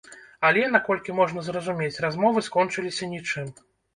Але, наколькі можна зразумець, размовы скончыліся нічым.